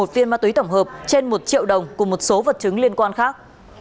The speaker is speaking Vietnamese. năm bốn trăm một mươi một viên ma túy tổng hợp trên một triệu đồng cùng một số vật chứng liên quan khác